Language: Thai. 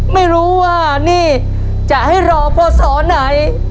ไม่รู้ว่านี่จะให้รอพอสอไหน